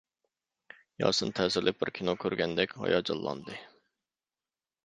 ياسىن تەسىرلىك بىر كىنو كۆرگەندەك ھاياجانلاندى.